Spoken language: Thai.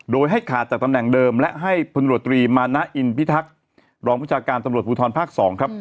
โดยให้ขาดจากตำแหน่งเดิมและให้พลตรวจตรีมานะอินพิทักษ์รองวิชาการตำรวจภูทรภาค๒ครับ